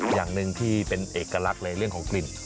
อย่างหนึ่งที่เป็นเอกลักษณ์เลยเรื่องของกลิ่น